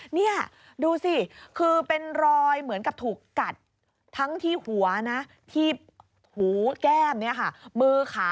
นี่ดูสิคือเป็นรอยเหมือนกับถูกกัดทั้งที่หัวนะที่หูแก้มเนี่ยค่ะมือขา